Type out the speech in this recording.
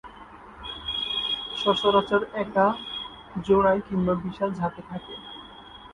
সচরাচর একা, জোড়ায় কিংবা বিশাল ঝাঁকে থাকে।